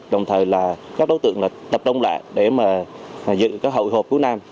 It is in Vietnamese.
đồng thời các đối tượng tập đông lại để giữ hội hộp cuối năm